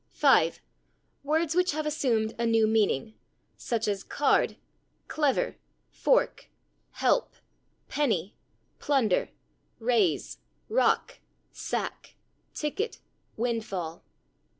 5. Words which have assumed a new meaning, such as /card/, /clever/, /fork/, /help/, /penny/, /plunder/, /raise/, /rock/, /sack/, /ticket/, /windfall